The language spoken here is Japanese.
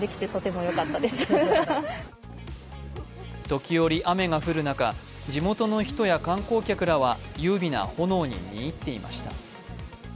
時折雨が降る中、地元の人や観光客らは優美な炎に見入っていました。